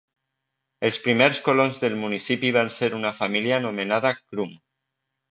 Els primers colons del municipi van ser una família anomenada Krum.